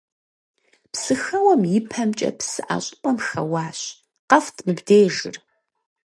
Псыхэуэм и пэмкӀэ псыӀэ щӀыпӀэм хэуащ: «КъэфтӀ мыбдежыр.».